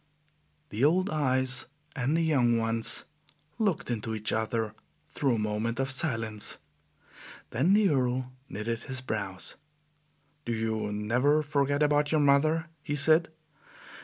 The old eyes and the young ones looked into each other through a moment of silence. Then the Earl knitted his brows. "Do you NEVER forget about your mother?" he said.